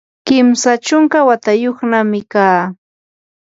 kimsa chunka watayuqnami kaa.